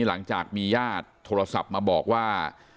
หลังจากมีญาติโทรศัพท์มาบอกว่า